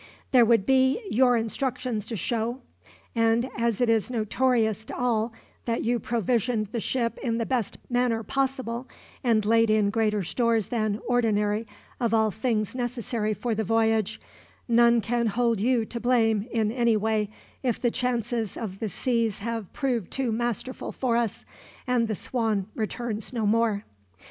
"There would be your instructions to show, and as it is notorious to all that you provisioned the ship in the best manner possible, and laid in greater stores than ordinary of all things necessary for the voyage, none can hold you to blame, in any way, if the chances of the seas have proved too masterful for us, and the Swan returns no more.